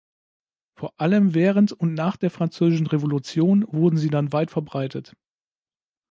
Vor allem während und nach der Französischen Revolution wurden sie dann weit verbreitet.